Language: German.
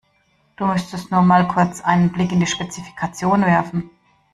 Du müsstest nur mal kurz einen Blick in die Spezifikation werfen.